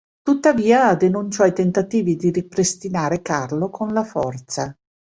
Tuttavia, denunciò i tentativi di ripristinare Carlo con la forza.